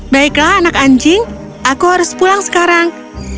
baiklah anak anjing aku harus pulang sekarang